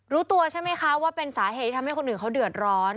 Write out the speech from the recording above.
รู้ตัวใช่ไหมคะว่าเป็นสาเหตุที่ทำให้คนอื่นเขาเดือดร้อน